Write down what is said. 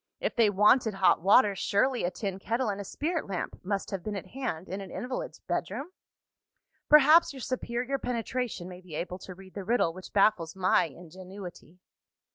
If they wanted hot water, surely a tin kettle and a spirit lamp must have been at hand in an invalid's bedroom? Perhaps, your superior penetration may be able to read the riddle which baffles my ingenuity.